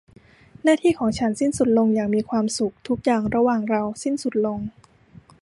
หน้าที่ของฉันสิ้นสุดลงอย่างมีความสุข ทุกอย่างระหว่างเราสิ้นสุดลง